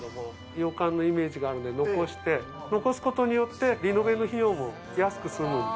洋館のイメージがあるので残して残すことによってリノベの費用も安く済むんで。